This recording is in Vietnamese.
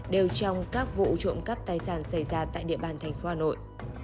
đều trong các vụ trộm cắp tài sản xảy ra tại địa bàn thành phố hà nội